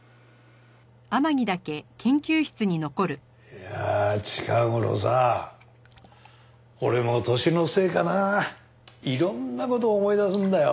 いやあ近頃さ俺も年のせいかないろんな事を思い出すんだよ。